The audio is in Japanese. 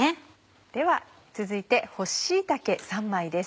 では続いて干し椎茸３枚です。